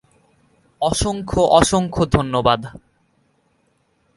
অসংখ্য অসংখ্য ধন্যবাদ।